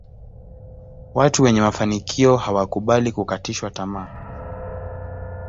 Watu wenye mafanikio hawakubali kukatishwa tamaa